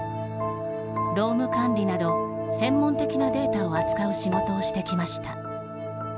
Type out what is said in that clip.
労務管理など、専門的なデータを扱う仕事をしてきました。